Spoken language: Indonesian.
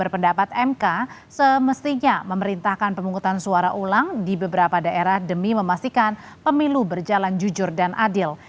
pendapat mk semestinya memerintahkan pemungutan suara ulang di beberapa daerah demi memastikan pemilu berjalan jujur dan adil